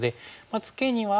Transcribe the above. ツケには。